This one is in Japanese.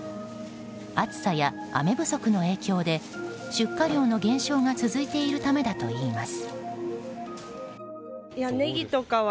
暑さや雨不足の影響で出荷量の減少が続いているためだといいます。